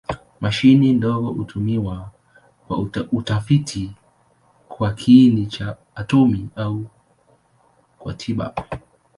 Mashine ndogo hutumiwa kwa utafiti kwa kiini cha atomi au kwa tiba.